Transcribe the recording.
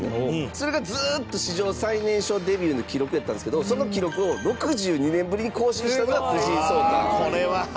それが、ずっと史上最年少デビューの記録やったんですけどその記録を６２年ぶりに更新したのが藤井聡太。